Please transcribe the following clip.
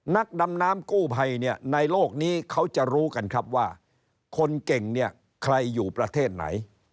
นักดำน้ำกู้ภัยในโลกนี้เขาจะรู้กันว่าคนเก่งใครอยู่ประเทศไหน